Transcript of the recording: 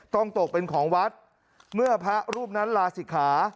ตกเป็นของวัดเมื่อพระรูปนั้นลาศิกขา